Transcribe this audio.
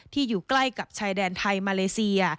อยู่ใกล้กับชายแดนไทยมาเลเซีย